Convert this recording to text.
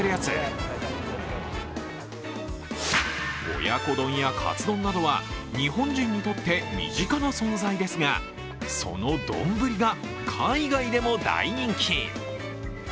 親子丼やカツ丼などは日本人にとって身近な存在ですが、その丼が海外でも大人気。